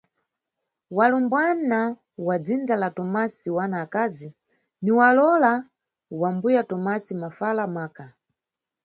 Walumbwana wa dzindza la Tomasi wana akazi, ni walowola wa mbuya Tomasi mafala maka.